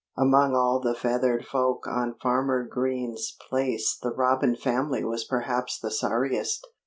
Among all the feathered folk on Farmer Green's place the Robin family was perhaps the sorriest.